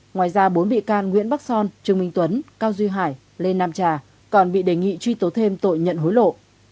ngoài ra bốn bị can nguyễn bắc son trương minh tuấn cao duy hải lê nam trà còn bị đề nghị truy tố thêm tội nhận hối lộ